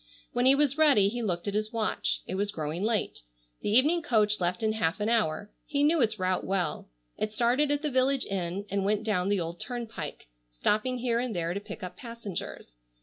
When he was ready he looked at his watch. It was growing late. The evening coach left in half an hour. He knew its route well. It started at the village inn, and went down the old turnpike, stopping here and there to pick up passengers.